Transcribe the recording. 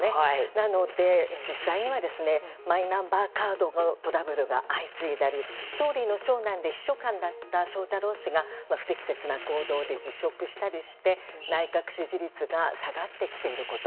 なので、実際にはマイナンバーカードのトラブルが相次いだり総理の長男で秘書官だった翔太郎氏が不適切な行動で辞職したりして内閣支持率が下がってきていること。